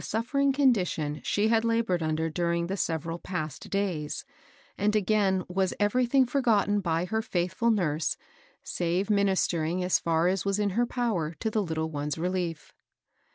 f uflfe r iD g condidoo ilie bad labored nnder dnring tbe sereral past days, and again was e^erytbing forgotten bj ber ^lithfiil nnrse save nunist^ing as br as was in ber power to tbe bttle one's relief.